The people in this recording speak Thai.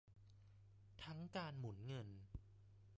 ทั้งการหมุนเงิน